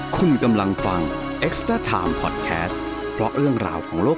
คุณกำลังฟังเอ็กซ์เตอร์ไทม์พอดแคสต์เพราะเรื่องราวของโลก